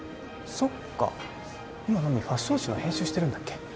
そっか今奈未ファッション誌の編集してるんだっけ？